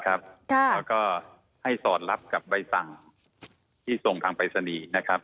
แล้วก็ให้สอดรับกับใบสั่งที่ส่งทางไปสนี